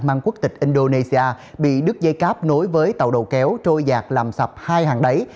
mang quốc tịch indonesia bị đứt dây cáp nối với tàu đầu kéo trôi giạc làm sập hai hàng đáy